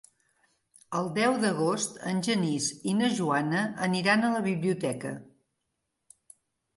El deu d'agost en Genís i na Joana aniran a la biblioteca.